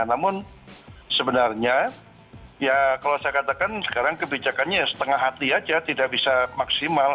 namun sebenarnya ya kalau saya katakan sekarang kebijakannya ya setengah hati saja tidak bisa maksimal